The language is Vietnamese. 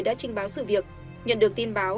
đã trình báo sự việc nhận được tin báo